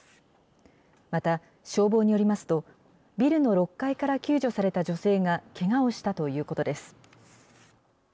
また、消防によりますと、ビルの６階から救助された女性がけがをしたということです。